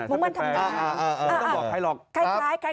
คล้ายกับเอ้อเกม